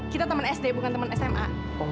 kita teman sd bukan teman sma